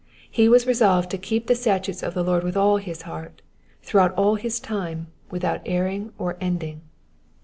He was resolved to keep the statutes of the Lord with all his heart, throughout all his time, without erring or ending.